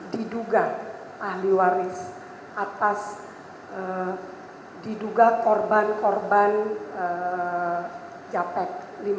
diduga ahli waris atas diduga korban korban japek lima puluh delapan